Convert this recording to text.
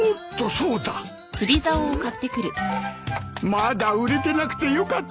まだ売れてなくてよかった！